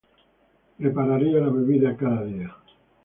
Prepararía la bebida cada día.